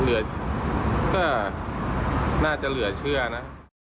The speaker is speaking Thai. เหลือก็น่าจะเหลือเชื่อนะ